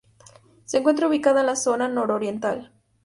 Se encuentra ubicada en la zona nororiental.